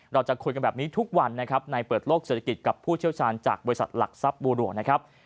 เราจะคุยกันแบบนี้ทุกวันนะครับในเปิดโลกเศรษฐกิจกับผู้เชี่ยวชาญจากบริษัทหลักทรัพย์บูรัวนะครับ